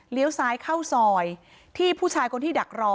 ซ้ายเข้าซอยที่ผู้ชายคนที่ดักรอ